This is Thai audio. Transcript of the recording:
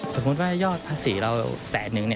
สมมุติว่ายอดภาษีเราแสนนึง